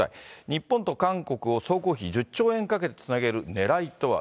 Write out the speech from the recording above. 日本と韓国を総工費１０兆円かけてつなげるねらいとは？